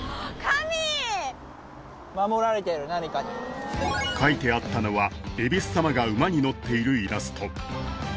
守られてる何かに描いてあったのは恵比須様が馬に乗っているイラスト